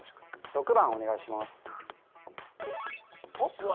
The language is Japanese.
８番お願いしますおっ？